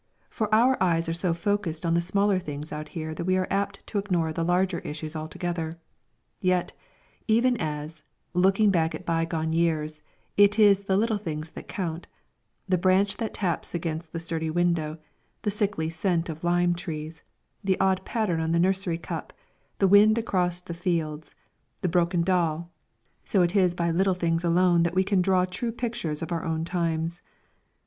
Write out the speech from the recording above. For our eyes are so focused on the smaller things out here that we are apt to ignore the larger issues altogether. Yet even as, looking back at bygone years, it is the little things that count the branch that taps against the study window, the sickly scent of lime trees, the odd pattern on the nursery cup, the wind across the fields, the broken doll, so is it by little things alone that we can draw true pictures of our own times.